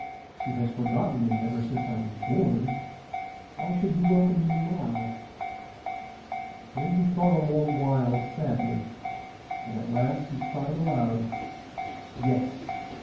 He has forgotten me ever since I was born: why should he welcome me now?' Then he thought a long while sadly; and at the last he cried aloud, 'Yes!